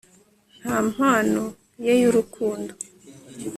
nta mpano ye yurukundo